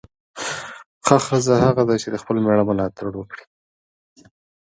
ښه ښځه هغه ده چې د خپل میړه ملاتړ وکړي.